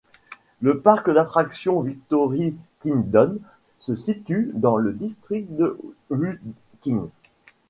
Le parc d'attractions Victory Kingdom se situe dans le district de Wuqing.